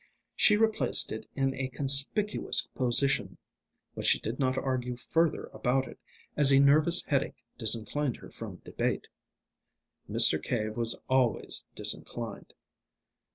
She replaced it in a conspicuous position. But she did not argue further about it, as a nervous headache disinclined her from debate. Mr. Cave was always disinclined.